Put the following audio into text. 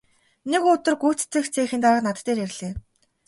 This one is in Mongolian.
Нэг өдөр гүйцэтгэх цехийн дарга над дээр ирлээ.